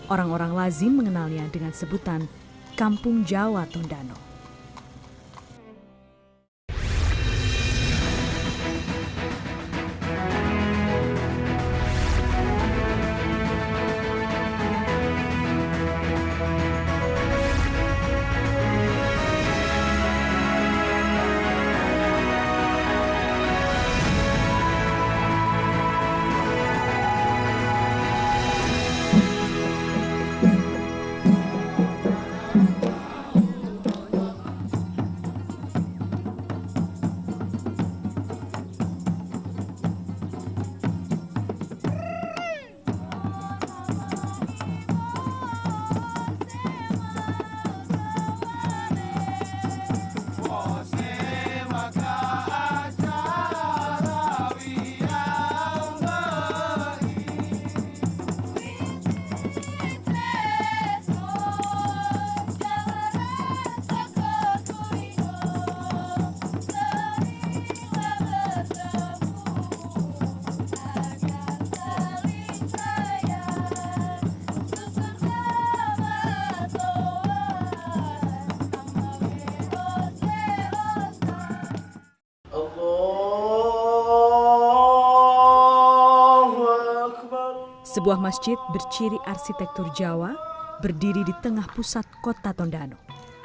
orang orang lazim mengenalnya dengan sebutan kampung jawa tondano